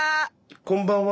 こんばんは。